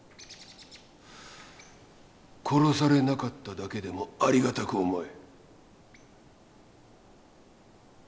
殺されなかっただけでもありがたく思え。